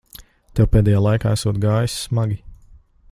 Tev pēdējā laikā esot gājis smagi.